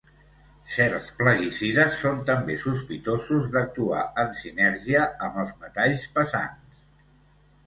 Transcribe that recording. Certs plaguicides són també sospitosos d'actuar en sinergia amb els metalls pesants.